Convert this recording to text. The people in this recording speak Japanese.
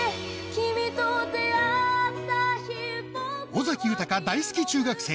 尾崎豊大好き中学生